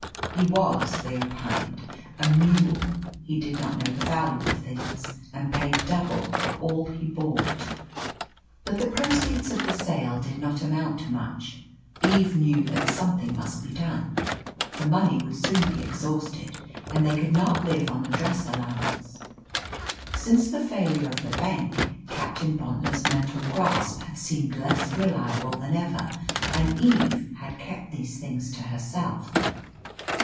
He was, they opined, a mule he did not know the value of things, and paid double for all he bought. But the proceeds of the sale did not amount to much. Eve knew that something must be done. The money would soon be exhausted, and they could not live on the dress allowance. Since the failure of the bank, Captain Bontnor's mental grasp had seemed less reliable than ever, and Eve had kept these things to herself.